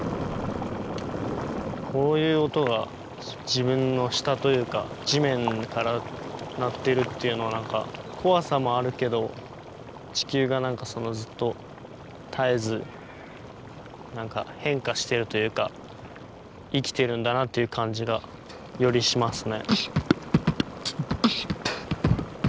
こういう音が自分の下というか地面から鳴ってるっていうのは何か怖さもあるけど地球が何かそのずっと絶えず何か変化してるというか生きてるんだなっていう感じがよりしますね。